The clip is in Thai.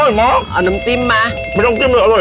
อร่อยมากเอาน้ำจิ้มมาไม่ต้องจิ้มเลยอร่อยเลย